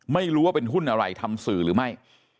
ไม่รู้ว่าเป็นหุ้นอะไรทำสื่อหรือไม่